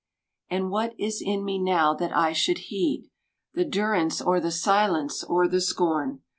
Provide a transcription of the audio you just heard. And what is on me now that I should heed The durance or the silence or the scorn?